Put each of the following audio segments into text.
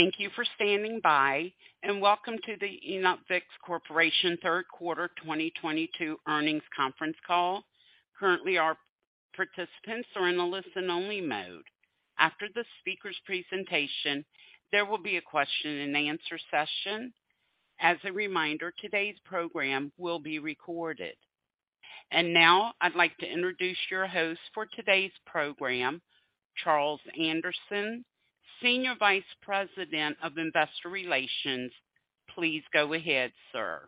Thank you for standing by, and welcome to the Enovix Corporation Q3 2022 earnings conference call. Currently, our participants are in a listen-only mode. After the speaker's presentation, there will be a question-and-answer session. As a reminder, today's program will be recorded. Now I'd like to introduce your host for today's program, Charles Anderson, Senior Vice President of Investor Relations. Please go ahead, sir.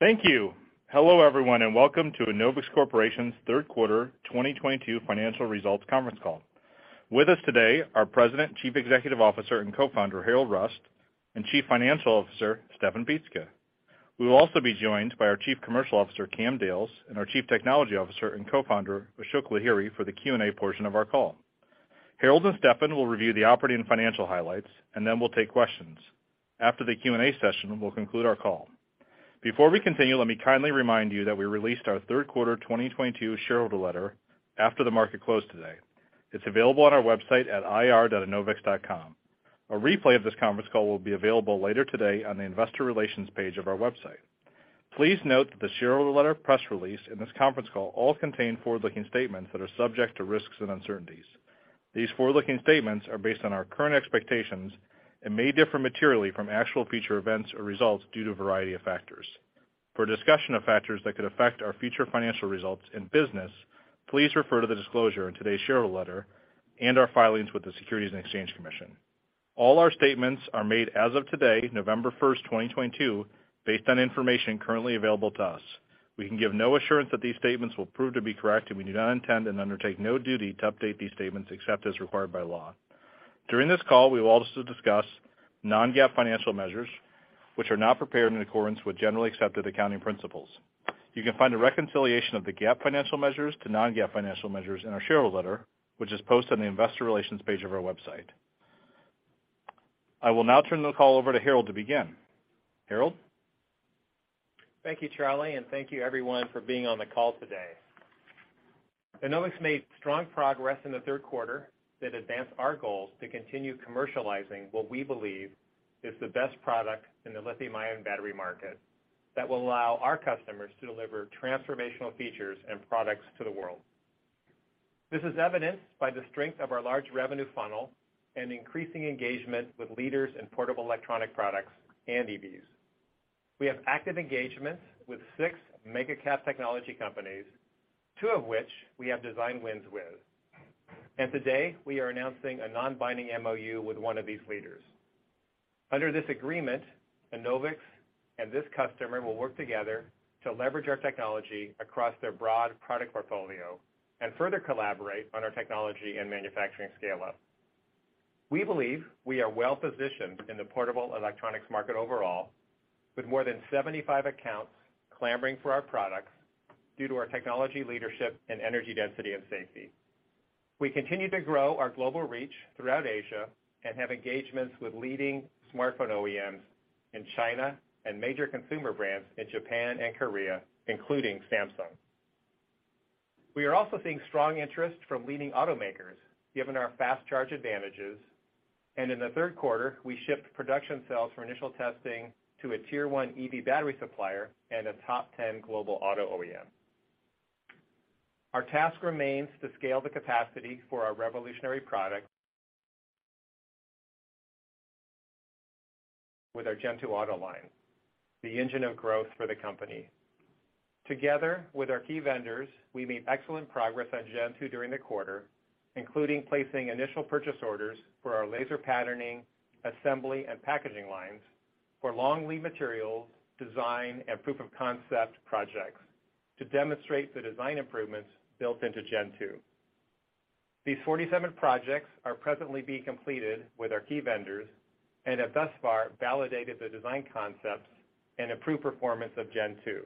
Thank you. Hello, everyone, and welcome to Enovix Corporation's Q3 2022 financial results conference call. With us today, our President, Chief Executive Officer, and Co-founder, Harrold Rust, and Chief Financial Officer, Steffen Pietzke. We will also be joined by our Chief Commercial Officer, Cameron Dales, and our Chief Technology Officer and Co-founder, Ashok Lahiri, for the Q&A portion of our call. Harrold and Steffen will review the operating and financial highlights, and then we'll take questions. After the Q&A session, we'll conclude our call. Before we continue, let me kindly remind you that we released our Q3 2022 shareholder letter after the market closed today. It's available on our website at ir.enovix.com. A replay of this conference call will be available later today on the investor relations page of our website. Please note that the shareholder letter, press release, and this conference call all contain forward-looking statements that are subject to risks and uncertainties. These forward-looking statements are based on our current expectations and may differ materially from actual future events or results due to a variety of factors. For a discussion of factors that could affect our future financial results and business, please refer to the disclosure in today's shareholder letter and our filings with the Securities and Exchange Commission. All our statements are made as of today, November 1, 2022, based on information currently available to us. We can give no assurance that these statements will prove to be correct, and we do not intend and undertake no duty to update these statements except as required by law. During this call, we will also discuss non-GAAP financial measures, which are not prepared in accordance with generally accepted accounting principles. You can find a reconciliation of the GAAP financial measures to non-GAAP financial measures in our shareholder letter, which is posted on the investor relations page of our website. I will now turn the call over to Harrold to begin. Harrold? Thank you, Charlie, and thank you everyone for being on the call today. Enovix made strong progress in the Q3 that advanced our goals to continue commercializing what we believe is the best product in the lithium-ion battery market that will allow our customers to deliver transformational features and products to the world. This is evidenced by the strength of our large revenue funnel and increasing engagement with leaders in portable electronic products and EVs. We have active engagements with six mega-cap technology companies, two of which we have design wins with. Today, we are announcing a non-binding MOU with one of these leaders. Under this agreement, Enovix and this customer will work together to leverage our technology across their broad product portfolio and further collaborate on our technology and manufacturing scale-up. We believe we are well-positioned in the portable electronics market overall, with more than 75 accounts clamoring for our products due to our technology leadership and energy density and safety. We continue to grow our global reach throughout Asia and have engagements with leading smartphone OEMs in China and major consumer brands in Japan and Korea, including Samsung. We are also seeing strong interest from leading automakers given our fast-charge advantages, and in the Q3, we shipped production cells for initial testing to a tier 1 EV battery supplier and a top 10 global auto OEM. Our task remains to scale the capacity for our revolutionary product with our Gen two auto line, the engine of growth for the company. Together with our key vendors, we made excellent progress on Gen2 during the quarter, including placing initial purchase orders for our laser patterning, assembly, and packaging lines for long lead material, design, and proof-of-concept projects to demonstrate the design improvements built into Gen2. These 47 projects are presently being completed with our key vendors and have thus far validated the design concepts and improved performance of Gen2.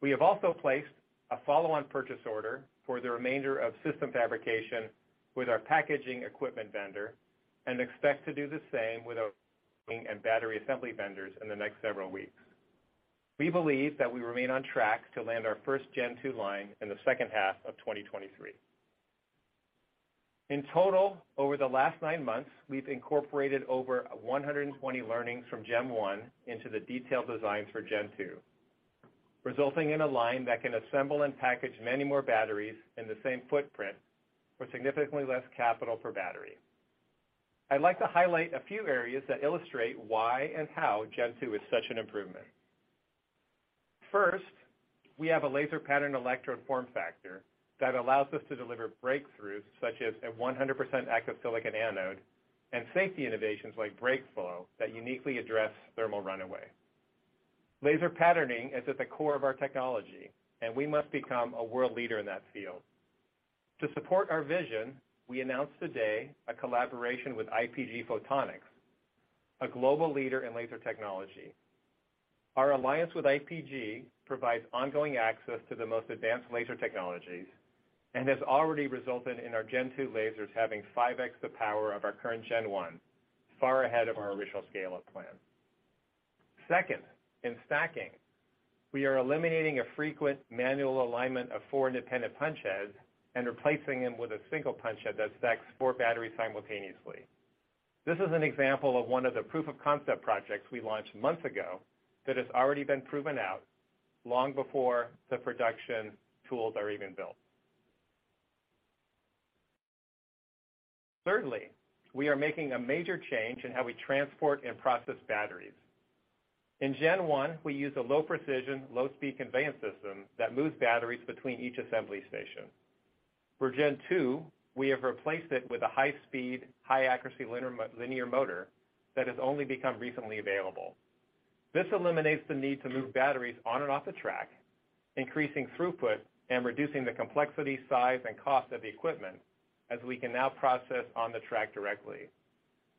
We have also placed a follow-on purchase order for the remainder of system fabrication with our packaging equipment vendor and expect to do the same with our laser and battery assembly vendors in the next several weeks. We believe that we remain on track to land our first Gen2 line in the H2 of 2023. In total, over the last nine months, we've incorporated over 120 learnings from Gen1 into the detailed designs for Gen2, resulting in a line that can assemble and package many more batteries in the same footprint for significantly less capital per battery. I'd like to highlight a few areas that illustrate why and how Gen2 is such an improvement. First, we have a laser pattern electrode form factor that allows us to deliver breakthroughs such as a 100% active silicon anode and safety innovations like BrakeFlow that uniquely address thermal runaway. Laser patterning is at the core of our technology, and we must become a world leader in that field. To support our vision, we announced today a collaboration with IPG Photonics, a global leader in laser technology. Our alliance with IPG provides ongoing access to the most advanced laser technologies and has already resulted in our Gen2 lasers having 5x the power of our current Gen1, far ahead of our original scale-up plan. Second, in stacking, we are eliminating a frequent manual alignment of four independent punch heads and replacing them with a single punch head that stacks four batteries simultaneously. This is an example of one of the proof of concept projects we launched months ago that has already been proven out long before the production tools are even built. Thirdly, we are making a major change in how we transport and process batteries. In Gen1, we use a low precision, low speed conveyance system that moves batteries between each assembly station. For Gen2, we have replaced it with a high speed, high accuracy linear motor that has only become recently available. This eliminates the need to move batteries on and off the track, increasing throughput and reducing the complexity, size, and cost of the equipment as we can now process on the track directly.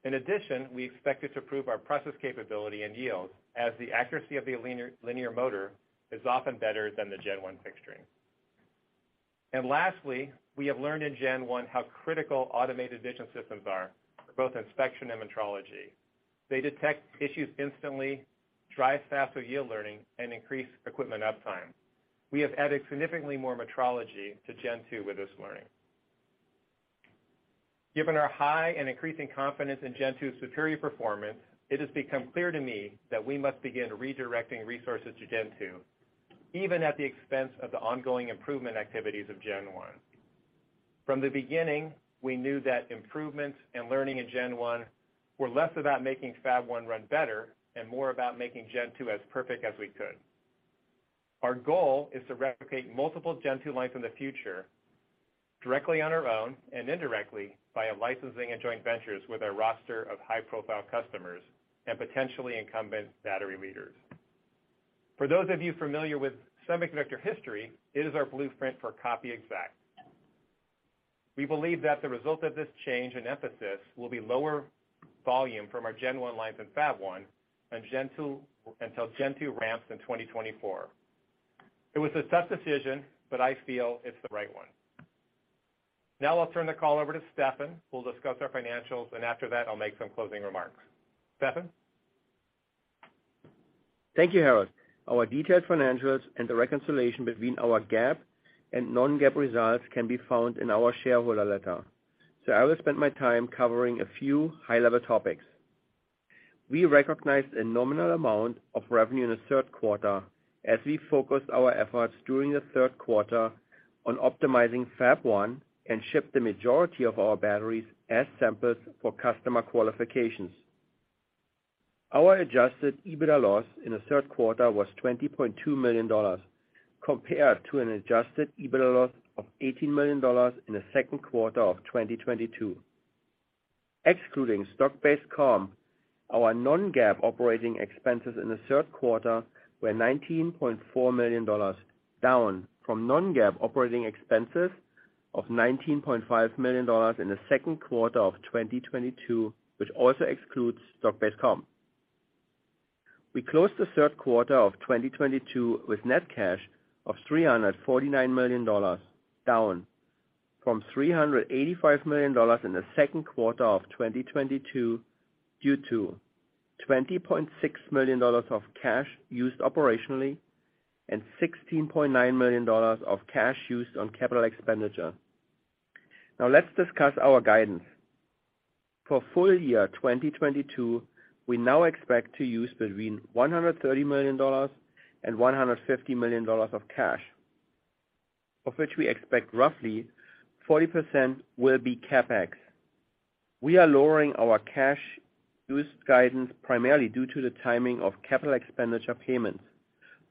In addition, we expect it to improve our process capability and yield as the accuracy of the linear motor is often better than the Gen1 fixturing. Lastly, we have learned in Gen1 how critical automated vision systems are for both inspection and metrology. They detect issues instantly, drive faster yield learning, and increase equipment uptime. We have added significantly more metrology to Gen2 with this learning. Given our high and increasing confidence in Gen2's superior performance, it has become clear to me that we must begin redirecting resources to Gen2, even at the expense of the ongoing improvement activities of Gen1. From the beginning, we knew that improvements and learning in Gen1 were less about making Fab-1 run better and more about making Gen2 as perfect as we could. Our goal is to replicate multiple Gen2 lines in the future directly on our own and indirectly via licensing and joint ventures with our roster of high-profile customers and potentially incumbent battery leaders. For those of you familiar with semiconductor history, it is our blueprint for copy exact. We believe that the result of this change in emphasis will be lower volume from our Gen1 lines in Fab-1 and Gen2, until Gen2 ramps in 2024. It was a tough decision, but I feel it's the right one. Now I'll turn the call over to Steffen, who will discuss our financials, and after that, I'll make some closing remarks. Steffen? Thank you, Harrold. Our detailed financials and the reconciliation between our GAAP and non-GAAP results can be found in our shareholder letter. I will spend my time covering a few high-level topics. We recognized a nominal amount of revenue in the Q3 as we focused our efforts during the Q3 on optimizing Fab 1 and shipped the majority of our batteries as samples for customer qualifications. Our adjusted EBITDA loss in the Q3 was $20.2 million, compared to an adjusted EBITDA loss of $18 million in the Q2 of 2022. Excluding stock-based comp, our non-GAAP operating expenses in the Q3 were $19.4 million, down from non-GAAP operating expenses of $19.5 million in the Q2 of 2022, which also excludes stock-based comp. We closed the Q3 of 2022 with net cash of $349 million, down from $385 million in the Q2 of 2022 due to $20.6 million of cash used operationally and $16.9 million of cash used on capital expenditure. Now, let's discuss our guidance. For full year 2022, we now expect to use between $130 million and $150 million of cash, of which we expect roughly 40% will be CapEx. We are lowering our cash use guidance primarily due to the timing of capital expenditure payments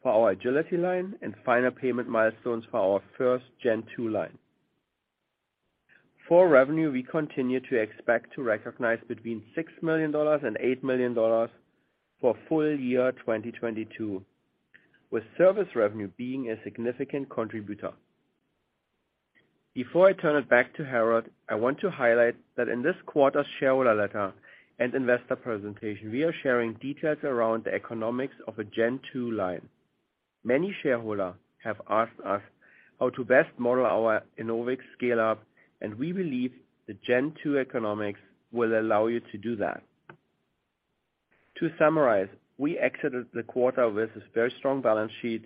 for our Agility Line and final payment milestones for our first Gen 2 line. For revenue, we continue to expect to recognize between $6 million and $8 million for full year 2022, with service revenue being a significant contributor. Before I turn it back to Harrold, I want to highlight that in this quarter's shareholder letter and investor presentation, we are sharing details around the economics of a Gen two line. Many shareholders have asked us how to best model our Enovix scale-up, and we believe the Gen two economics will allow you to do that. To summarize, we exited the quarter with a very strong balance sheet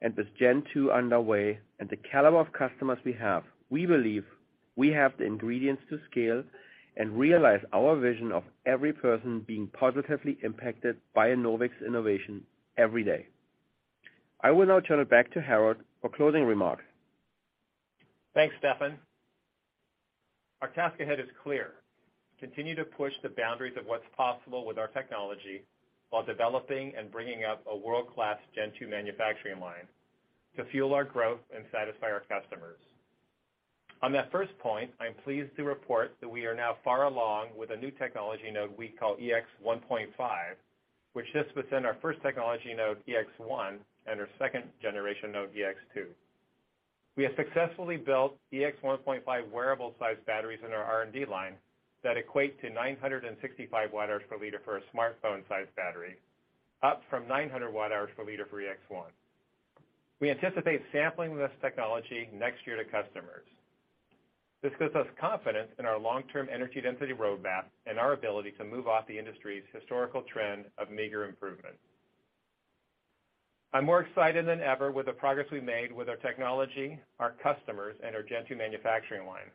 and with Gen two underway and the caliber of customers we have, we believe we have the ingredients to scale and realize our vision of every person being positively impacted by Enovix innovation every day. I will now turn it back to Harrold for closing remarks. Thanks, Steffen. Our task ahead is clear: continue to push the boundaries of what's possible with our technology while developing and bringing up a world-class Gen two manufacturing line to fuel our growth and satisfy our customers. On that first point, I'm pleased to report that we are now far along with a new technology node we call EX-1.5, which sits within our first technology node, EX-1, and our second generation node, EX-2. We have successfully built EX-1.5 wearable-sized batteries in our R&D line that equate to 965 watt-hours per liter for a smartphone-sized battery, up from 900 watt-hours per liter for EX-1. We anticipate sampling this technology next year to customers. This gives us confidence in our long-term energy density roadmap and our ability to move off the industry's historical trend of meager improvement. I'm more excited than ever with the progress we've made with our technology, our customers, and our Gen2 manufacturing line.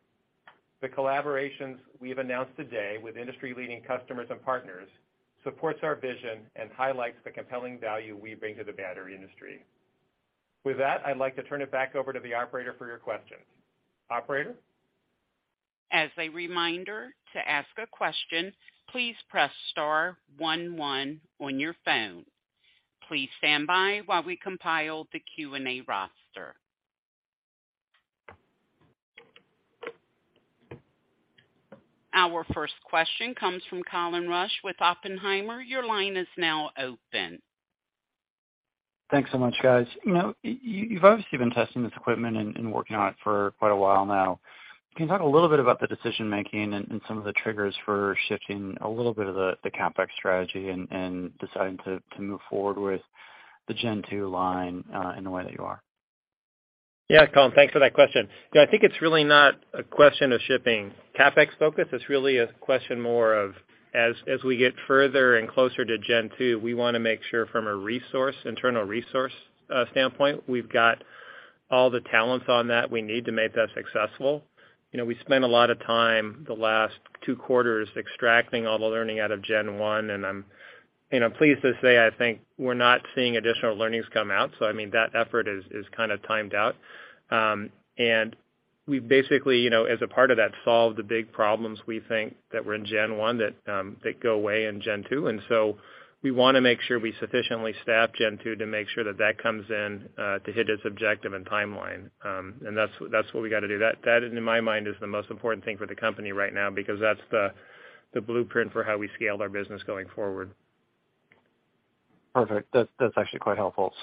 The collaborations we have announced today with industry-leading customers and partners supports our vision and highlights the compelling value we bring to the battery industry. With that, I'd like to turn it back over to the operator for your questions. Operator? As a reminder, to ask a question, please press star one one on your phone. Please stand by while we compile the Q&A roster. Our first question comes from Colin Rusch with Oppenheimer. Your line is now open. Thanks so much, guys. You know, you've obviously been testing this equipment and working on it for quite a while now. Can you talk a little bit about the decision-making and some of the triggers for shifting a little bit of the CapEx strategy and deciding to move forward with the Gen 2 line in the way that you are? Yeah, Colin, thanks for that question. Yeah, I think it's really not a question of shifting CapEx focus. It's really a question more of as we get further and closer to Gen 2, we wanna make sure from an internal resource standpoint, we've got all the talents on that we need to make that successful. You know, we spent a lot of time the last two quarters extracting all the learning out of Gen 1, and I'm, you know, pleased to say I think we're not seeing additional learnings come out. I mean, that effort is kind of timed out. We basically, you know, as a part of that, solved the big problems we think that were in Gen 1 that go away in Gen 2. We wanna make sure we sufficiently staff Gen 2 to make sure that that comes in to hit its objective and timeline. That's what we gotta do. That in my mind is the most important thing for the company right now because that's the blueprint for how we scale our business going forward. Perfect. That's actually quite helpful.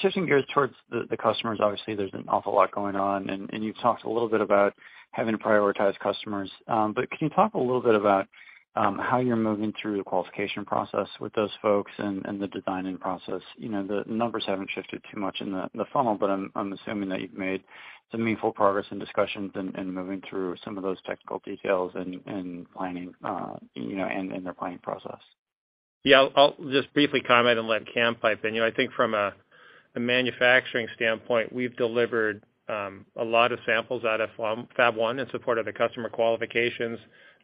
Shifting gears towards the customers, obviously there's an awful lot going on, and you've talked a little bit about having to prioritize customers. But can you talk a little bit about how you're moving through the qualification process with those folks and the designing process? You know, the numbers haven't shifted too much in the funnel, but I'm assuming that you've made some meaningful progress and discussions in moving through some of those technical details and planning, you know, and in their planning process? Yeah. I'll just briefly comment and let Cam pipe in. You know, I think from a manufacturing standpoint, we've delivered a lot of samples out of Fab One in support of the customer qualifications.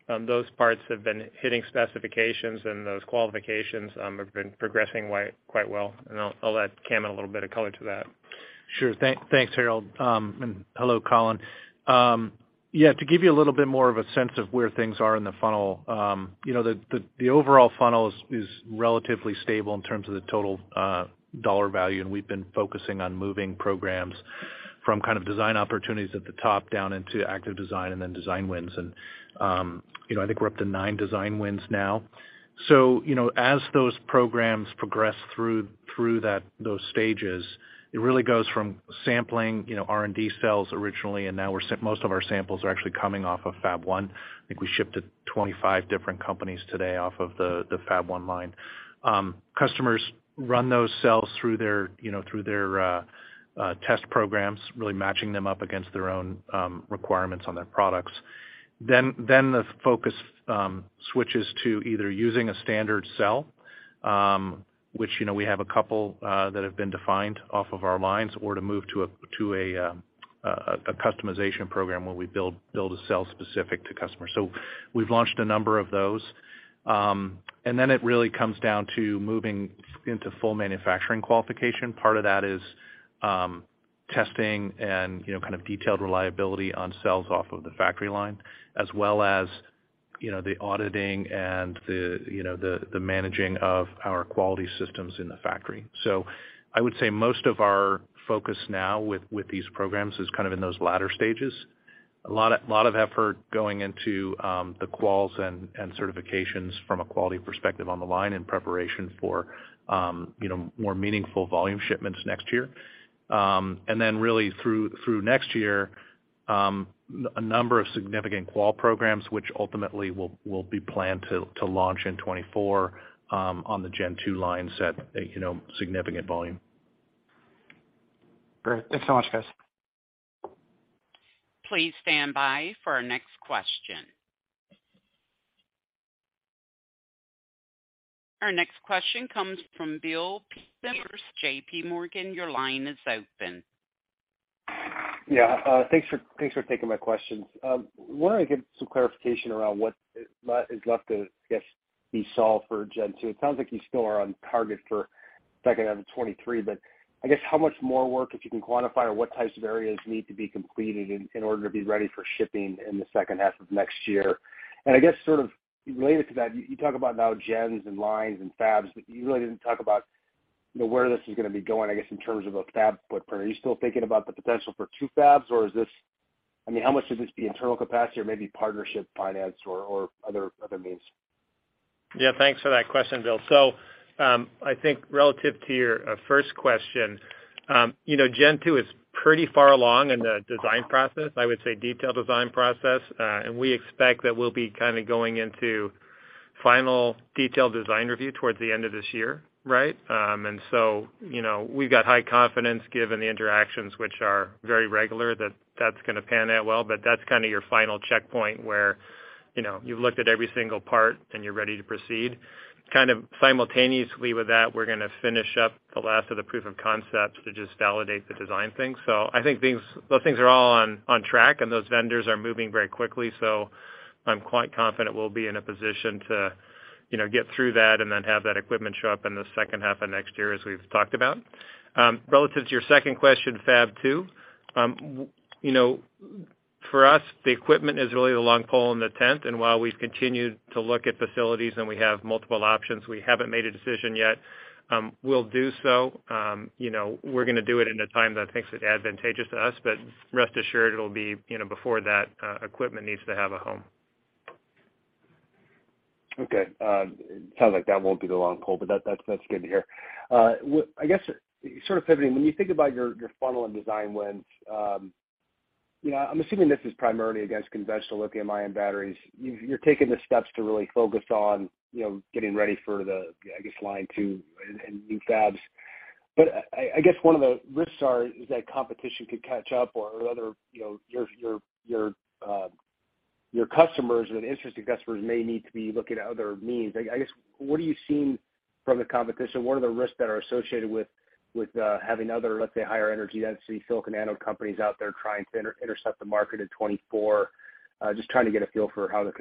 Those parts have been hitting specifications and those qualifications have been progressing quite well. I'll let Cameron add a little bit of color to that. Sure. Thanks, Harrold. Hello, Colin. Yeah, to give you a little bit more of a sense of where things are in the funnel, you know, the overall funnel is relatively stable in terms of the total dollar value, and we've been focusing on moving programs from kind of design opportunities at the top down into active design and then design wins. You know, I think we're up to nine design wins now. As those programs progress through those stages, it really goes from sampling, you know, R&D cells originally, and now most of our samples are actually coming off of Fab-1. I think we shipped to 25 different companies today off of the Fab-1 line. Customers run those cells through their, you know, test programs, really matching them up against their own requirements on their products. Then the focus switches to either using a standard cell, which, you know, we have a couple that have been defined off of our lines, or to move to a customization program where we build a cell specific to customers. We've launched a number of those. It really comes down to moving into full manufacturing qualification. Part of that is testing and, you know, kind of detailed reliability on cells off of the factory line, as well as, you know, the auditing and the managing of our quality systems in the factory. I would say most of our focus now with these programs is kind of in those latter stages. A lot of effort going into the quals and certifications from a quality perspective on the line in preparation for you know more meaningful volume shipments next year. And then really through next year a number of significant qual programs, which ultimately will be planned to launch in 2024 on the Gen 2 lines at you know significant volume. Great. Thanks so much, guys. Please stand by for our next question. Our next question comes from Bill Peterson, JPMorgan Chase. Your line is open. Yeah. Thanks for taking my questions. Wanted to get some clarification around what is left to, I guess, be solved for Gen2. It sounds like you still are on target for H2 of 2023, but I guess how much more work, if you can quantify, or what types of areas need to be completed in order to be ready for shipping in the H2 of next year? I guess sort of related to that, you talk about our gens and lines and fabs, but you really didn't talk about, you know, where this is gonna be going, I guess, in terms of a fab footprint. Are you still thinking about the potential for two fabs, or is this, I mean, how much of this will be internal capacity or maybe partnership, finance or other means? Yeah, thanks for that question, Bill. I think relative to your first question, you know, Gen 2 is pretty far along in the design process, I would say detailed design process. We expect that we'll be kind of going into final detailed design review towards the end of this year, right? You know, we've got high confidence given the interactions which are very regular that that's gonna pan out well, but that's kinda your final checkpoint where, you know, you've looked at every single part and you're ready to proceed. Kind of simultaneously with that, we're gonna finish up the last of the proof of concepts to just validate the design things. I think things, those things are all on track, and those vendors are moving very quickly. I'm quite confident we'll be in a position to, you know, get through that and then have that equipment show up in the H2 of next year as we've talked about. Relative to your second question, Fab-2, you know, for us, the equipment is really the long pole in the tent. While we've continued to look at facilities and we have multiple options, we haven't made a decision yet. We'll do so. You know, we're gonna do it in a time that makes it advantageous to us, but rest assured it'll be, you know, before that, equipment needs to have a home. Okay. It sounds like that won't be the long pole, but that's good to hear. I guess sort of pivoting, when you think about your funnel and design wins, you know, I'm assuming this is primarily against conventional lithium-ion batteries. You're taking the steps to really focus on, you know, getting ready for the, I guess, line two and new fabs. I guess one of the risks is that competition could catch up or other, you know, your customers and interesting customers may need to be looking at other means. What are you seeing from the competition? What are the risks that are associated with having other, let's say, higher energy density silicon anode companies out there trying to intercept the market in 2024? Just trying to get a feel for how the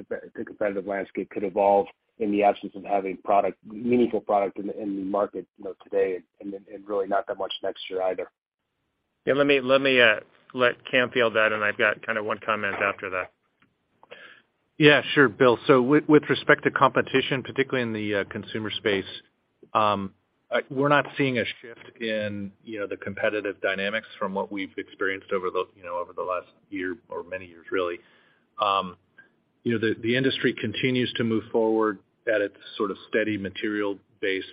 competitive landscape could evolve in the absence of having product, meaningful product in the market, you know, today and then really not that much next year either. Yeah. Let me let Cameron field that, and I've got kinda one comment after that. Yeah, sure, Bill. With respect to competition, particularly in the consumer space, we're not seeing a shift in, you know, the competitive dynamics from what we've experienced over the, you know, over the last year or many years, really. You know, the industry continues to move forward at its sort of steady material-based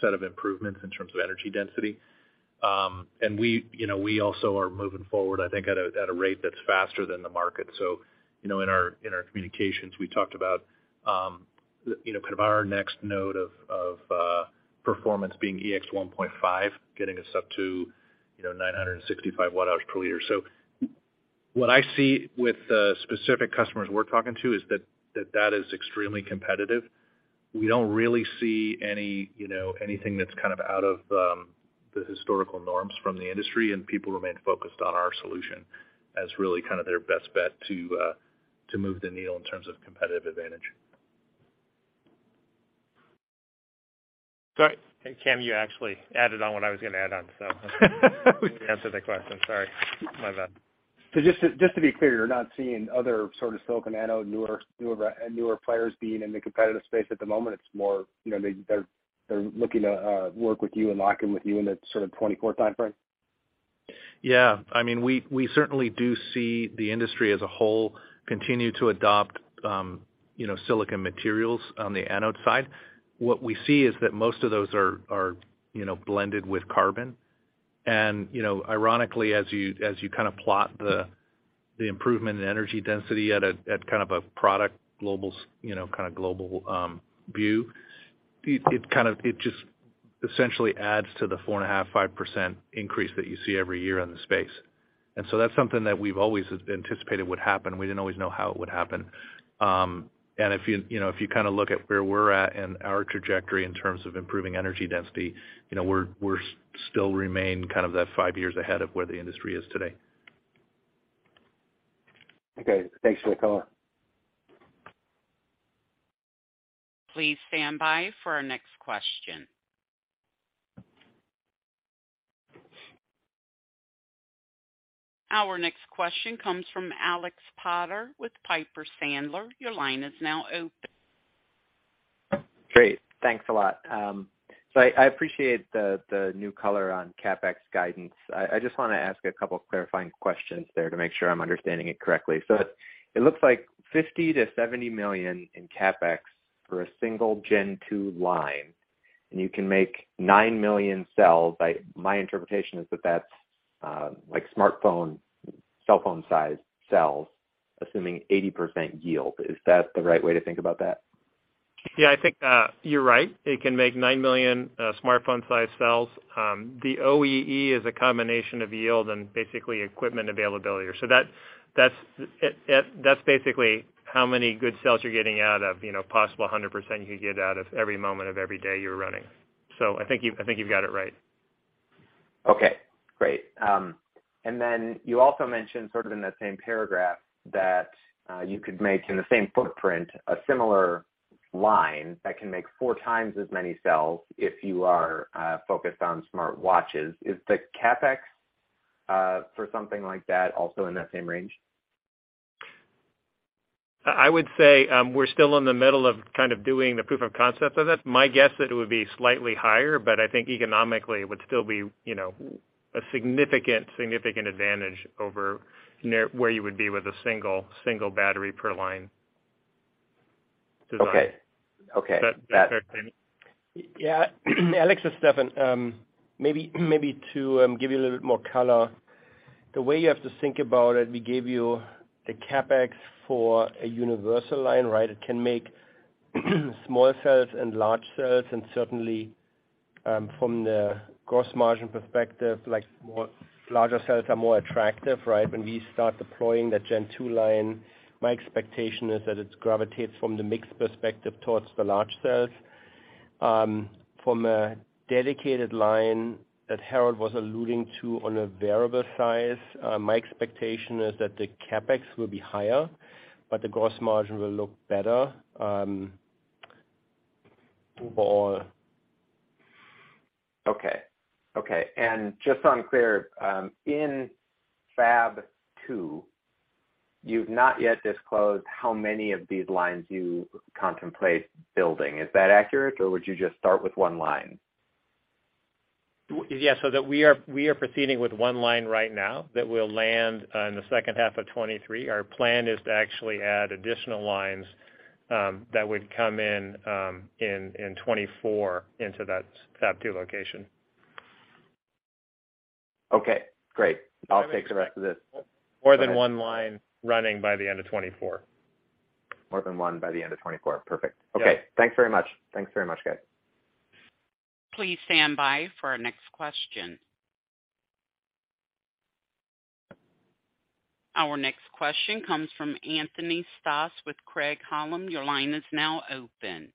set of improvements in terms of energy density. We, you know, we also are moving forward, I think at a rate that's faster than the market. You know, in our communications, we talked about, you know, kind of our next node of performance being EX-1.5, getting us up to, you know, 965 Wh/L. What I see with the specific customers we're talking to is that that is extremely competitive. We don't really see any, you know, anything that's kind of out of the historical norms from the industry, and people remain focused on our solution as really kind of their best bet to move the needle in terms of competitive advantage. Go- Hey, Cameron, you actually added on what I was gonna add on. You answered the question. Sorry. My bad. Just to be clear, you're not seeing other sort of silicon anode newer players being in the competitive space at the moment. It's more, you know, they're looking to work with you and lock in with you in a sort of 2024 timeframe? Yeah. I mean, we certainly do see the industry as a whole continue to adopt, you know, silicon materials on the anode side. What we see is that most of those are, you know, blended with carbon. You know, ironically, as you kind of plot the improvement in energy density at a kind of product global, kind of global view, it just essentially adds to the 4.5%-5% increase that you see every year in the space. That's something that we've always anticipated would happen. We didn't always know how it would happen. If you know, if you kind of look at where we're at and our trajectory in terms of improving energy density, you know, we still remain kind of that five years ahead of where the industry is today. Okay. Thanks for the color. Please stand by for our next question. Our next question comes from Alex Potter with Piper Sandler. Your line is now open. Great. Thanks a lot. I appreciate the new color on CapEx guidance. I just wanna ask a couple clarifying questions there to make sure I'm understanding it correctly. It looks like $50-$70 million in CapEx for a single Gen 2 line, and you can make nine million cells. My interpretation is that that's like smartphone, cell phone size cells, assuming 80% yield. Is that the right way to think about that? Yeah, I think you're right. It can make nine million smartphone-sized cells. The OEE is a combination of yield and basically equipment availability. That's basically how many good cells you're getting out of, you know, possible 100% you could get out of every moment of every day you're running. I think you I think you've got it right. Okay, great. You also mentioned sort of in that same paragraph that you could make in the same footprint a similar line that can make four times as many cells if you are focused on smartwatches. Is the CapEx for something like that also in that same range? I would say, we're still in the middle of kind of doing the proof of concept of it. My guess is it would be slightly higher, but I think economically it would still be, you know, a significant advantage over where you would be with a single battery per line design. Okay. Does that clarify anything? Yeah. Alex, it's Steffen. Maybe to give you a little bit more color. The way you have to think about it, we gave you the CapEx for a universal line, right? It can make small cells and large cells, and certainly, from the gross margin perspective, like, more larger cells are more attractive, right? When we start deploying the gen two line, my expectation is that it gravitates from the mix perspective towards the large cells. From a dedicated line that Harrold was alluding to on a variable size, my expectation is that the CapEx will be higher, but the gross margin will look better, for- Okay. Just to clarify, in Fab-2, you've not yet disclosed how many of these lines you contemplate building. Is that accurate, or would you just start with one line? Yeah. That we are proceeding with one line right now that will land in the H2 of 2023. Our plan is to actually add additional lines that would come in in 2024 into that Fab-2 location. Okay, great. I'll take the rest of this. More than one line running by the end of 2024. More than one by the end of 2024. Perfect. Yeah. Okay. Thanks very much. Thanks very much, guys. Please stand by for our next question. Our next question comes from Anthony Stoss with Craig-Hallum. Your line is now open.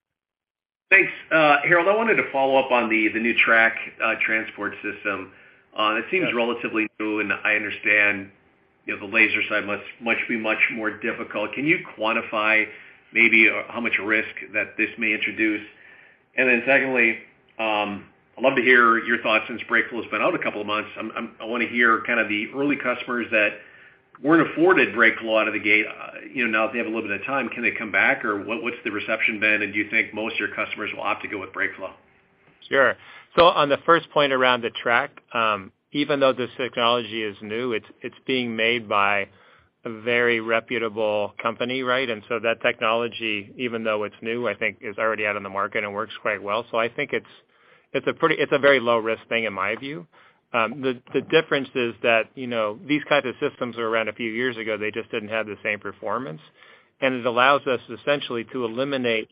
Thanks. Harrold, I wanted to follow up on the new track transport system. Yeah. It seems relatively new, and I understand, you know, the laser side must be much more difficult. Can you quantify maybe how much risk that this may introduce? Secondly, I'd love to hear your thoughts since BrakeFlow has been out a couple of months. I wanna hear kind of the early customers that weren't afforded BrakeFlow out of the gate, you know, now that they have a little bit of time, can they come back, or what's the reception been, and do you think most of your customers will opt to go with BrakeFlow? Sure. On the first point around the track, even though this technology is new, it's being made by a very reputable company, right? That technology, even though it's new, I think is already out in the market and works quite well. I think it's a very low-risk thing in my view. The difference is that, you know, these kinds of systems were around a few years ago. They just didn't have the same performance. It allows us essentially to eliminate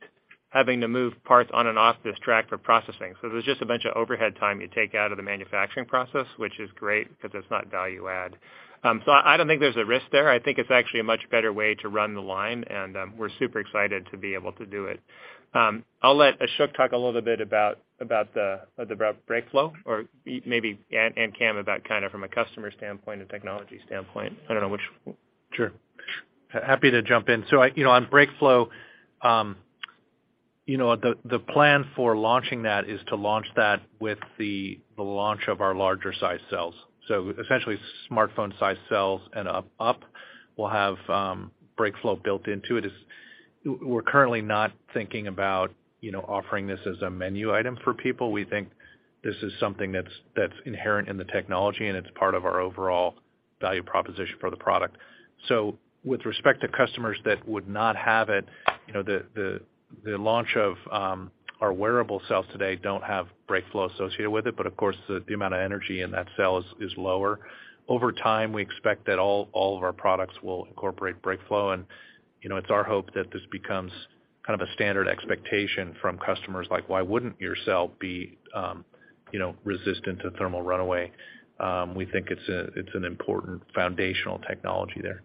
having to move parts on and off this track for processing. There's just a bunch of overhead time you take out of the manufacturing process, which is great because it's not value add. I don't think there's a risk there. I think it's actually a much better way to run the line, and we're super excited to be able to do it. I'll let Ashok talk a little bit about the BrakeFlow or maybe Ananda and Cameron about kind of from a customer standpoint and technology standpoint. I don't know which Sure. Happy to jump in. You know, on BrakeFlow, you know, the plan for launching that is to launch that with the launch of our larger size cells. Essentially smartphone-sized cells and up will have BrakeFlow built into it. We're currently not thinking about, you know, offering this as a menu item for people. We think this is something that's inherent in the technology, and it's part of our overall value proposition for the product. With respect to customers that would not have it, you know, the launch of our wearable cells today don't have BrakeFlow associated with it, but of course, the amount of energy in that cell is lower. Over time, we expect that all of our products will incorporate BrakeFlow, and, you know, it's our hope that this becomes kind of a standard expectation from customers like, "Why wouldn't your cell be, you know, resistant to thermal runaway?" We think it's an important foundational technology there.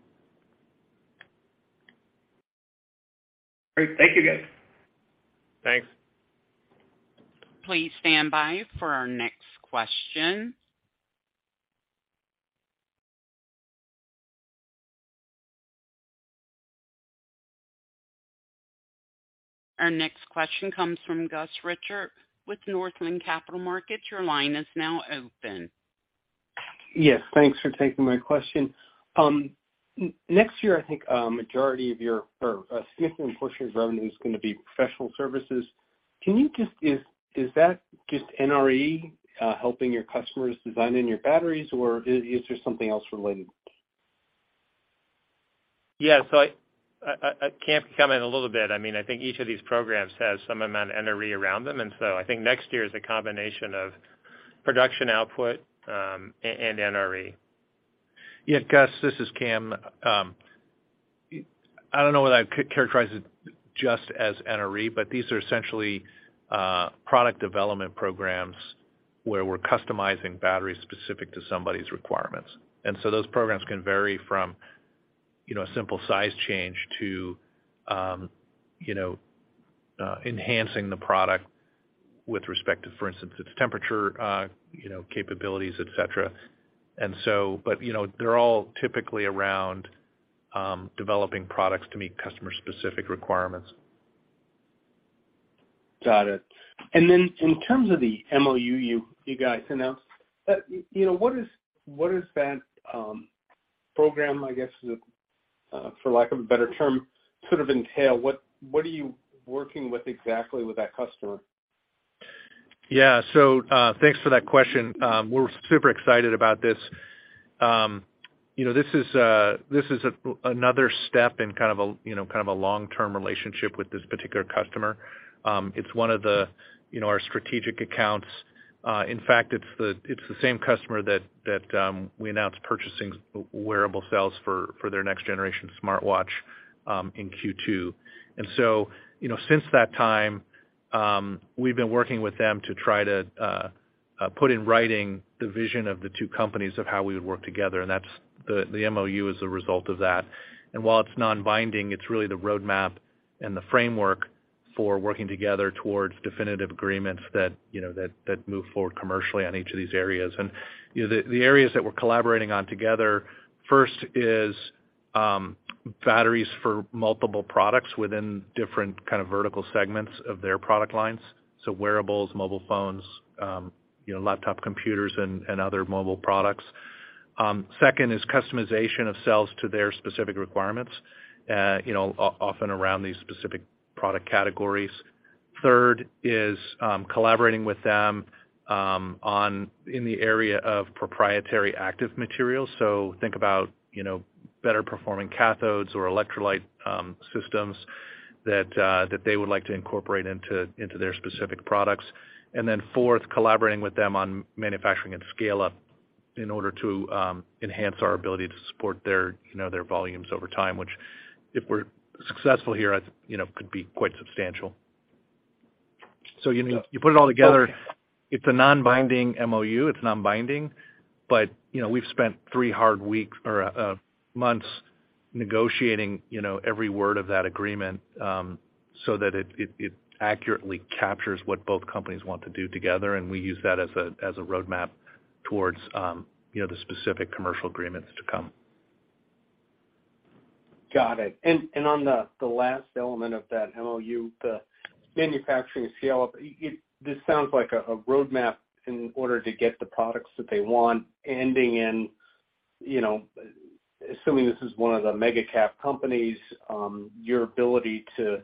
Great. Thank you, guys. Thanks. Please stand by for our next question. Our next question comes from Gus Richard with Northland Capital Markets. Your line is now open. Yes, thanks for taking my question. Next year, I think a majority of your or a significant portion of your revenue is gonna be professional services. Is that just NRE, helping your customers design in your batteries, or is there something else related? Yeah. I can comment a little bit. I mean, I think each of these programs has some amount of NRE around them. I think next year is a combination of production output, and NRE. Yeah, Gus, this is Cameron. I don't know whether I'd characterize it just as NRE, but these are essentially product development programs where we're customizing batteries specific to somebody's requirements. Those programs can vary from, you know, a simple size change to, you know, enhancing the product with respect to, for instance, its temperature, you know, capabilities, et cetera. They're all typically around developing products to meet customer-specific requirements. Got it. Then in terms of the MOU you guys announced, you know, what is that program, I guess, for lack of a better term, sort of entail? What are you working with exactly with that customer? Yeah. So, thanks for that question. We're super excited about this. You know, this is another step in kind of a, you know, kind of a long-term relationship with this particular customer. It's one of the, you know, our strategic accounts. In fact, it's the same customer that we announced purchasing wearable cells for their next generation smartwatch in Q2. You know, since that time, we've been working with them to try to put in writing the vision of the two companies of how we would work together, and that's the MOU as a result of that. While it's non-binding, it's really the roadmap and the framework for working together towards definitive agreements that, you know, that move forward commercially on each of these areas. You know, the areas that we're collaborating on together. First is batteries for multiple products within different kind of vertical segments of their product lines. So wearables, mobile phones, you know, laptop computers and other mobile products. Second is customization of cells to their specific requirements, you know, often around these specific product categories. Third is collaborating with them in the area of proprietary active materials. So think about, you know, better performing cathodes or electrolyte systems that they would like to incorporate into their specific products. Fourth, collaborating with them on manufacturing and scale up in order to enhance our ability to support their, you know, their volumes over time, which if we're successful here, as you know, could be quite substantial. You know, you put it all together, it's a non-binding MOU. It's non-binding, but, you know, we've spent three hard weeks or months negotiating, you know, every word of that agreement, so that it accurately captures what both companies want to do together, and we use that as a roadmap towards, you know, the specific commercial agreements to come. Got it. On the last element of that MOU, the manufacturing scale up, it this sounds like a roadmap in order to get the products that they want ending in, you know, assuming this is one of the mega cap companies, your ability to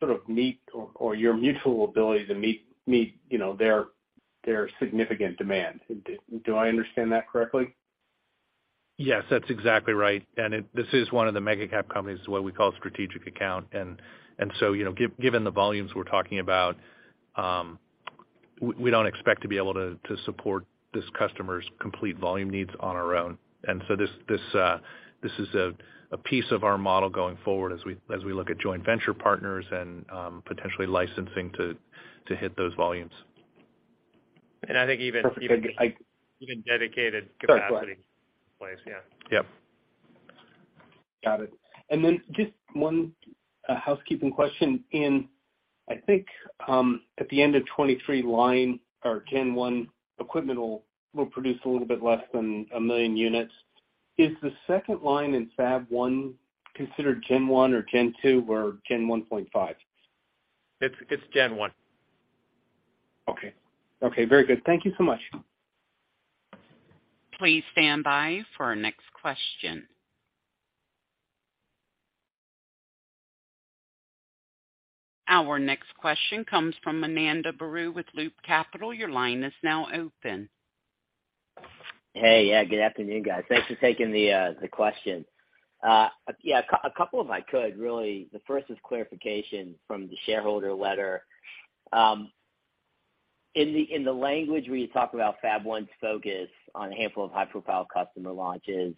sort of meet or your mutual ability to meet you know their significant demand. Do I understand that correctly? Yes, that's exactly right. This is one of the mega cap companies, is what we call a strategic account. You know, given the volumes we're talking about, we don't expect to be able to support this customer's complete volume needs on our own. This is a piece of our model going forward as we look at joint venture partners and potentially licensing to hit those volumes. I think. Perfect. Thank you. Even dedicated capacity in place. Yeah. Yep. Got it. Just one housekeeping question. I think at the end of 2023 line or Gen 1 equipment will produce a little bit less than one million units. Is the second line in Fab-1 considered Gen 1 or Gen 2 or Gen 1.5? It's Gen1. Okay. Okay, very good. Thank you so much. Please stand by for our next question. Our next question comes from Ananda Baruah with Loop Capital. Your line is now open. Hey. Yeah, good afternoon, guys. Thanks for taking the question. Yeah, a couple if I could, really. The first is clarification from the shareholder letter. In the language where you talk about Fab-1's focus on a handful of high-profile customer launches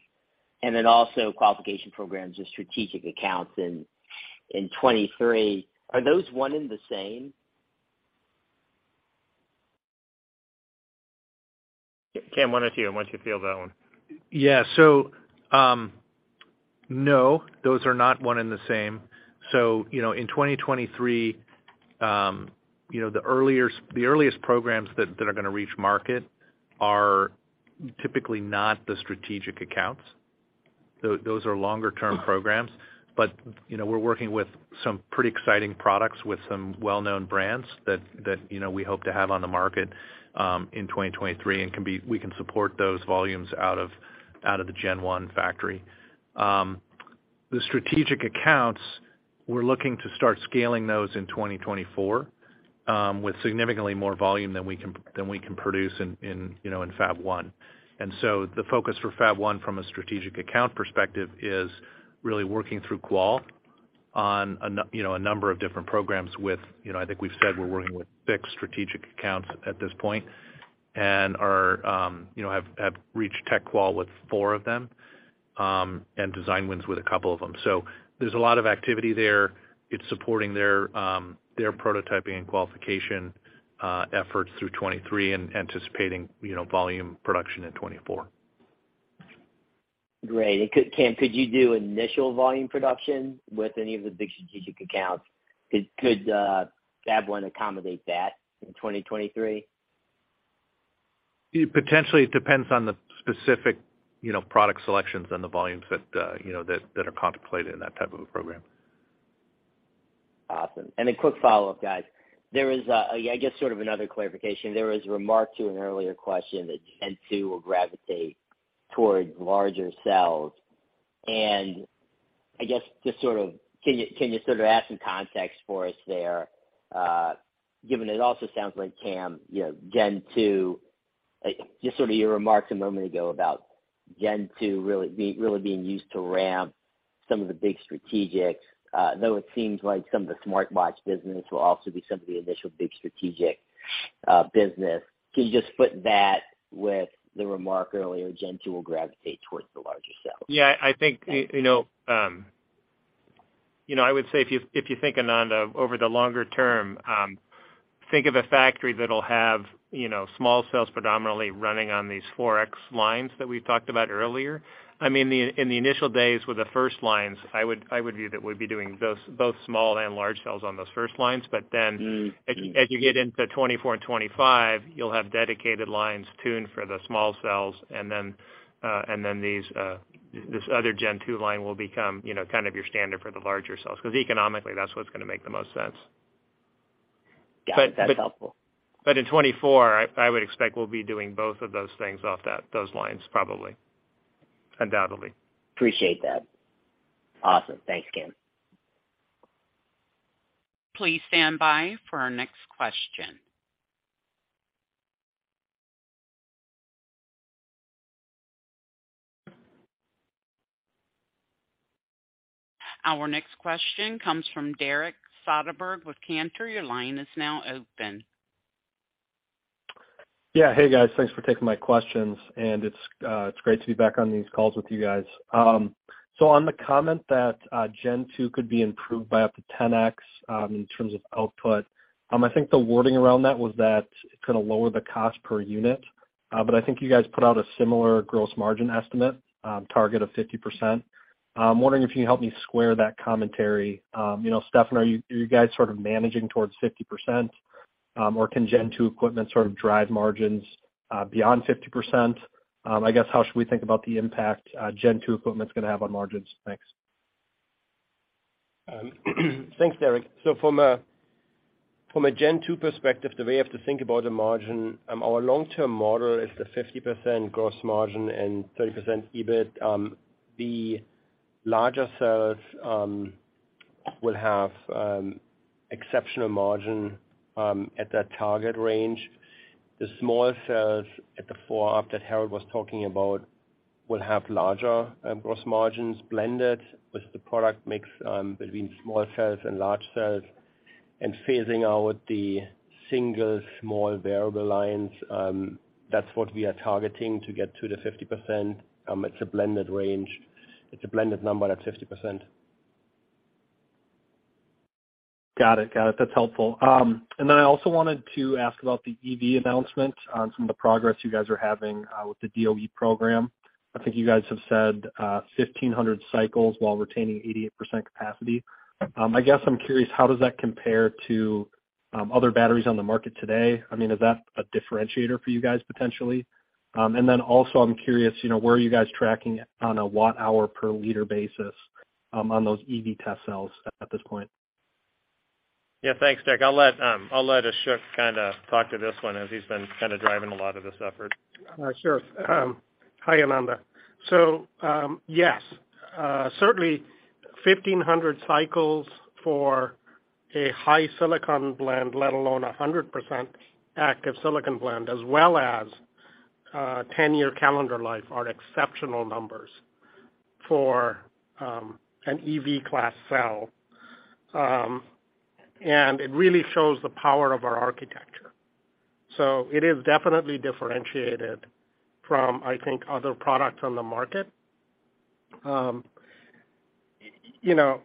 and then also qualification programs with strategic accounts in 2023, are those one and the same? Cam, why don't you field that one? No, those are not one and the same. You know, in 2023, the earliest programs that are gonna reach market are typically not the strategic accounts. Those are longer term programs. You know, we're working with some pretty exciting products with some well-known brands that you know, we hope to have on the market in 2023 and we can support those volumes out of the Gen1 factory. The strategic accounts, we're looking to start scaling those in 2024 with significantly more volume than we can produce in you know, in Fab-1. The focus for Fab-1 from a strategic account perspective is really working through qual on you know, a number of different programs with, you know, I think we've said we're working with big strategic accounts at this point and are, you know, have reached tech qual with four of them, and design wins with a couple of them. There's a lot of activity there. It's supporting their prototyping and qualification efforts through 2023 and anticipating, you know, volume production in 2024. Great. Cameron, could you do initial volume production with any of the big strategic accounts? Could Fab One accommodate that in 2023? Potentially. It depends on the specific, you know, product selections and the volumes that, you know, that are contemplated in that type of a program. Awesome. A quick follow-up, guys. There was, I guess sort of another clarification. There was a remark to an earlier question that Gen 2 will gravitate towards larger cells. I guess just sort of can you sort of add some context for us there, given it also sounds like Cameron, you know, Gen 2, just sort of your remarks a moment ago about Gen 2 really being used to ramp some of the big strategic, though it seems like some of the smartwatch business will also be some of the initial big strategic, business. Can you just put that with the remark earlier, Gen 2 will gravitate towards the larger cells? Yeah, I think you know I would say if you think, Ananda, over the longer term, think of a factory that'll have you know small cells predominantly running on these 4X lines that we talked about earlier. I mean, in the initial days with the first lines, I would view that we'd be doing those both small and large cells on those first lines. Mm-hmm. As you get into 2024 and 2025, you'll have dedicated lines tuned for the small cells. This other Gen2 line will become, you know, kind of your standard for the larger cells, 'cause economically that's what's gonna make the most sense. Got it. That's helpful. In 2024, I would expect we'll be doing both of those things off those lines probably, undoubtedly. Appreciate that. Awesome. Thanks, Cameron. Please stand by for our next question. Our next question comes from Derek Soderberg with Cantor. Your line is now open. Yeah. Hey, guys. Thanks for taking my questions. It's great to be back on these calls with you guys. On the comment that Gen two could be improved by up to 10x in terms of output, I think the wording around that was that it's gonna lower the cost per unit. I think you guys put out a similar gross margin estimate target of 50%. Wondering if you can help me square that commentary. You know, Steffen, are you guys sort of managing towards 50%, or can Gen two equipment sort of drive margins beyond 50%? I guess, how should we think about the impact Gen two equipment's gonna have on margins? Thanks. Thanks, Derek. From a Gen2 perspective, the way you have to think about the margin, our long-term model is the 50% gross margin and 30% EBIT. The larger cells will have exceptional margin at that target range. The smaller cells at the four Ah that Harrold was talking about will have larger gross margins blended with the product mix between small cells and large cells and phasing out the single small variable lines. That's what we are targeting to get to the 50%. It's a blended range. It's a blended number at 50%. Got it. That's helpful. I also wanted to ask about the EV announcement on some of the progress you guys are having, with the DOE program. I think you guys have said, 1,500 cycles while retaining 88% capacity. I guess I'm curious, how does that compare to, other batteries on the market today? I mean, is that a differentiator for you guys potentially? I'm curious, you know, where are you guys tracking on a watt-hour per liter basis, on those EV test cells at this point? Yeah. Thanks, Derek. I'll let Ashok kinda talk to this one as he's been kinda driving a lot of this effort. Sure. Hi, Ananda. Yes, certainly 1,500 cycles for a high silicon blend, let alone a 100% active silicon blend, as well as a 10-year calendar life are exceptional numbers for an EV class cell. It really shows the power of our architecture. It is definitely differentiated from, I think, other products on the market. You know,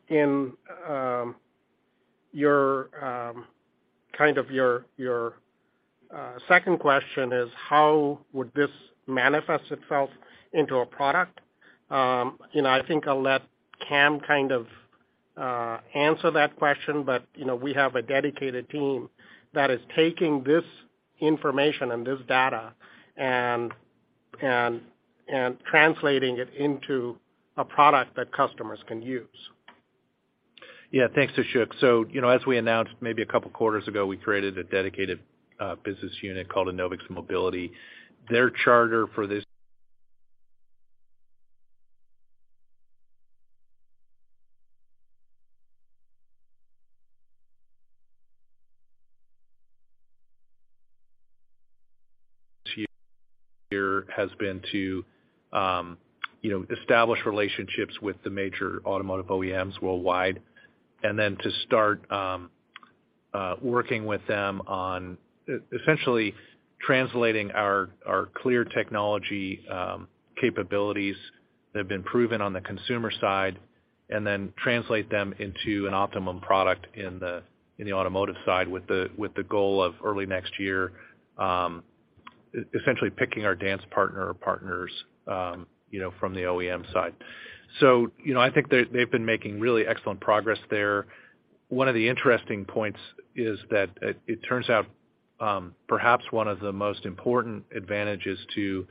your second question is how would this manifest itself into a product? You know, I think I'll let Cameron kind of answer that question, but you know, we have a dedicated team that is taking this information and this data and translating it into a product that customers can use. Yeah. Thanks, Ashok. You know, as we announced maybe a couple quarters ago, we created a dedicated business unit called Enovix Mobility. Their charter for this year has been to, you know, establish relationships with the major automotive OEMs worldwide, and then to start working with them on essentially translating our clear technology capabilities that have been proven on the consumer side, and then translate them into an optimum product in the automotive side with the goal of early next year essentially picking our dance partner or partners, you know, from the OEM side. You know, I think they've been making really excellent progress there. One of the interesting points is that, it turns out, perhaps one of the most important advantages to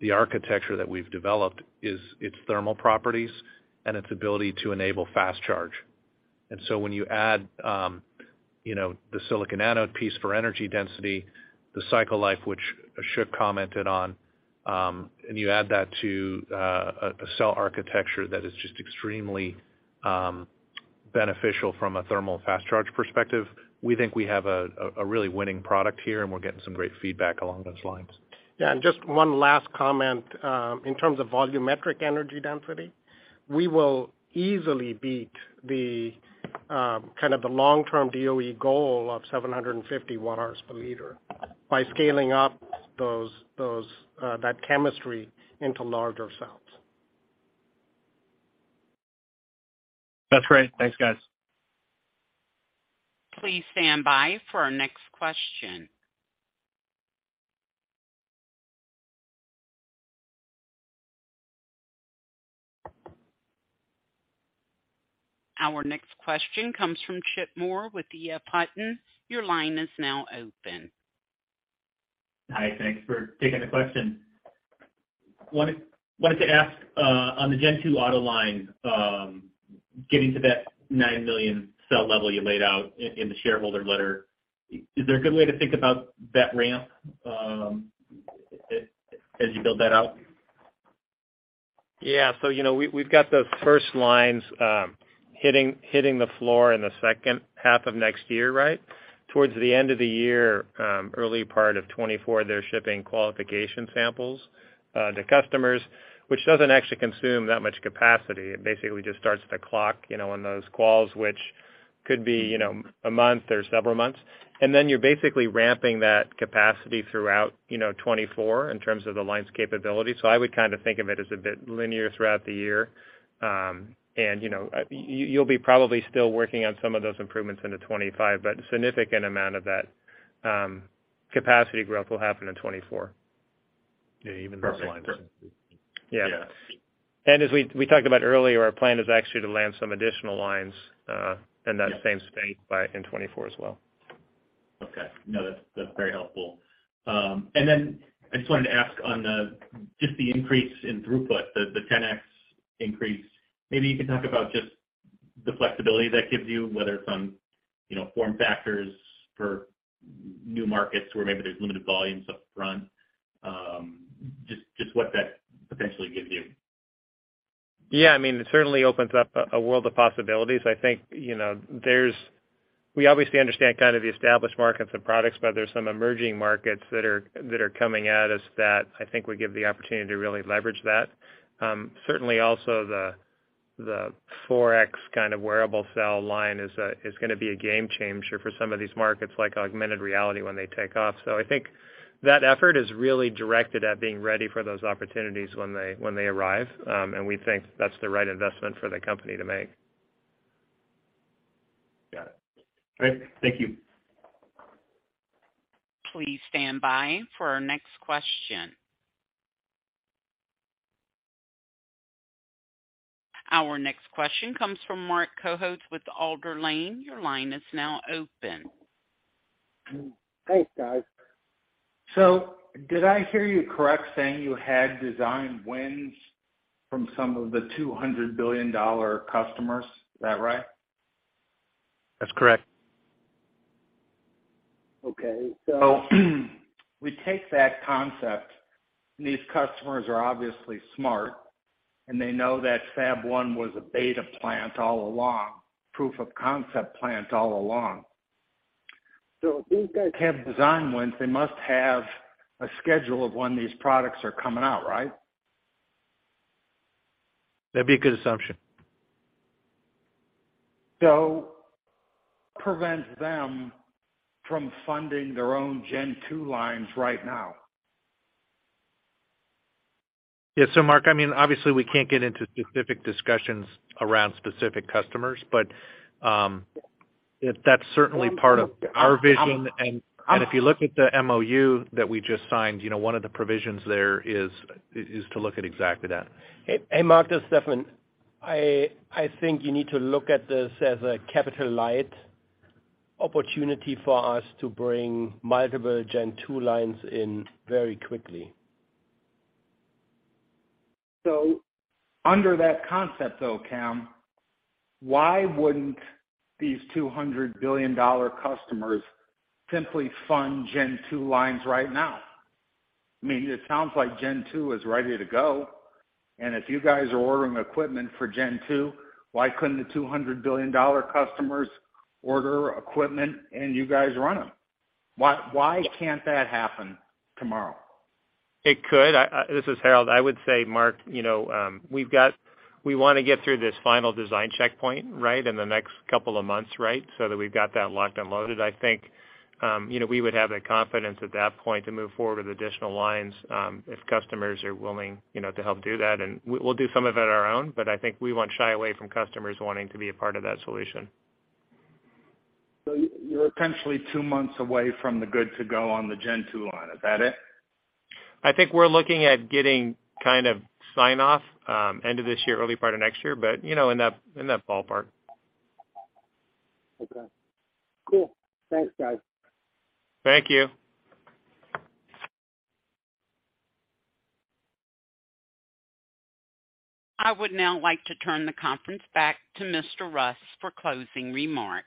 the architecture that we've developed is its thermal properties and its ability to enable fast charge. When you add, you know, the silicon anode piece for energy density, the cycle life, which Ashok Lahiri commented on, and you add that to a cell architecture that is just extremely beneficial from a thermal fast charge perspective, we think we have a really winning product here, and we're getting some great feedback along those lines. Yeah. Just one last comment. In terms of volumetric energy density, we will easily beat the kind of the long-term DOE goal of 750 watt-hours per liter by scaling up those that chemistry into larger cells. That's great. Thanks, guys. Please stand by for our next question. Our next question comes from Chip Moore with the Putnam. Your line is now open. Hi. Thanks for taking the question. Wanted to ask on the Gen 2 auto line, getting to that nine million cell level you laid out in the shareholder letter, is there a good way to think about that ramp as you build that out? Yeah. You know, we've got those first lines hitting the floor in the H2 of next year, right? Towards the end of the year, early part of 2024, they're shipping qualification samples to customers, which doesn't actually consume that much capacity. It basically just starts to clock, you know, on those quals, which could be, you know, a month or several months. You're basically ramping that capacity throughout, you know, 2024 in terms of the line's capability. I would kind of think of it as a bit linear throughout the year. You know, you'll be probably still working on some of those improvements into 2025, but a significant amount of that capacity growth will happen in 2024. Yeah, even those lines. Yeah. Yeah. As we talked about earlier, our plan is actually to land some additional lines in that same space by in 2024 as well. Okay. No, that's very helpful. I just wanted to ask on just the increase in throughput, the 10x increase. Maybe you can talk about just the flexibility that gives you, whether it's on, you know, form factors for new markets where maybe there's limited volumes up front, just what that potentially gives you. Yeah, I mean, it certainly opens up a world of possibilities. I think, you know, we obviously understand kind of the established markets and products, but there's some emerging markets that are coming at us that I think give the opportunity to really leverage that. Certainly also the 4X kind of wearable cell line is gonna be a game changer for some of these markets, like augmented reality, when they take off. I think that effort is really directed at being ready for those opportunities when they arrive. We think that's the right investment for the company to make. Got it. Great. Thank you. Please stand by for our next question. Our next question comes from Mark Kokes with Alder Lane. Your line is now open. Thanks, guys. Did I hear you correctly saying you had design wins from some of the $200 billion-dollar customers? Is that right? That's correct. Okay. We take that concept, and these customers are obviously smart, and they know that Fab-1 was a beta plant all along, proof of concept plant all along. If these guys have design wins, they must have a schedule of when these products are coming out, right? That'd be a good assumption. What prevents them from funding their own Gen2 lines right now? Yeah. Mark, I mean, obviously, we can't get into specific discussions around specific customers, but that's certainly part of our vision. If you look at the MOU that we just signed, you know, one of the provisions there is to look at exactly that. Hey, Mark, this is Steffen. I think you need to look at this as a capital-light opportunity for us to bring multiple Gen2 lines in very quickly. Under that concept though, Cameron, why wouldn't these $200 billion customers simply fund Gen 2 lines right now? I mean, it sounds like Gen 2 is ready to go, and if you guys are ordering equipment for Gen 2, why couldn't the $200 billion customers order equipment and you guys run them? Why can't that happen tomorrow? It could. This is Harrold. I would say, Mark, you know, we wanna get through this final design checkpoint, right, in the next couple of months, right? So that we've got that locked and loaded. I think, you know, we would have the confidence at that point to move forward with additional lines, if customers are willing, you know, to help do that. We'll do some of it on our own, but I think we won't shy away from customers wanting to be a part of that solution. You're potentially two months away from the good to go on the Gen 2 line. Is that it? I think we're looking at getting kind of sign off end of this year, early part of next year. You know, in that ballpark. Okay. Cool. Thanks, guys. Thank you. I would now like to turn the conference back to Harrold Rust for closing remarks.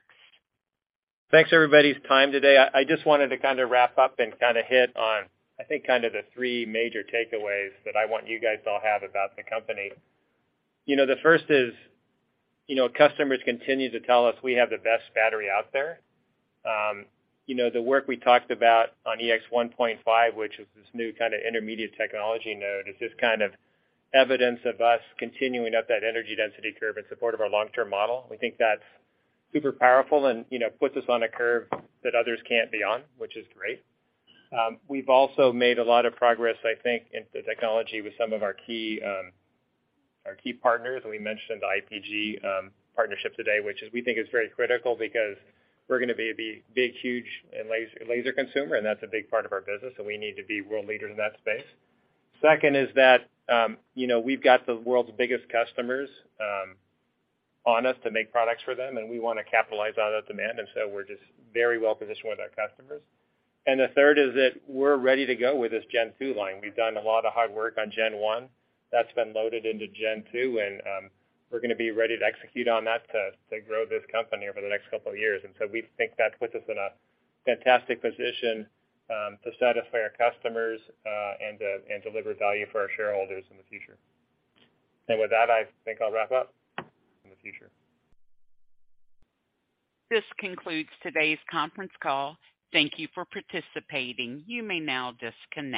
Thanks everybody's time today. I just wanted to kinda wrap up and kinda hit on, I think, kind of the three major takeaways that I want you guys all have about the company. You know, the first is, you know, customers continue to tell us we have the best battery out there. You know, the work we talked about on EX-1.5, which is this new kinda intermediate technology node, is just kind of evidence of us continuing up that energy density curve in support of our long-term model. We think that's super powerful and, you know, puts us on a curve that others can't be on, which is great. We've also made a lot of progress, I think, in the technology with some of our key partners. We mentioned the IPG partnership today, which we think is very critical because we're gonna be a big, huge laser consumer, and that's a big part of our business, so we need to be world leaders in that space. Second is that, you know, we've got the world's biggest customers on us to make products for them, and we wanna capitalize on that demand, and so we're just very well positioned with our customers. The third is that we're ready to go with this Gen 2 line. We've done a lot of hard work on Gen 1. That's been loaded into Gen 2, and we're gonna be ready to execute on that to grow this company over the next couple of years. We think that puts us in a fantastic position to satisfy our customers and to deliver value for our shareholders in the future. With that, I think I'll wrap up. In the future. This concludes today's conference call. Thank you for participating. You may now disconnect.